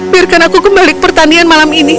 biarkan aku kembali ke pertanian malam ini